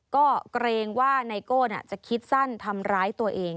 ก็เกรงว่าไนโก้จะคิดสั้นทำร้ายตัวเอง